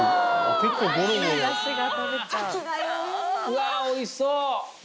うわおいしそう！